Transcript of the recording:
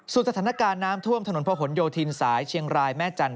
สถานการณ์น้ำท่วมถนนพระหลโยธินสายเชียงรายแม่จันท